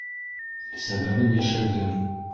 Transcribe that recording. Сәбәбен йәшерҙем.